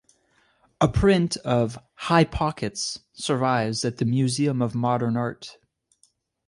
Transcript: A print of "High Pockets" survives at the Museum of Modern Art.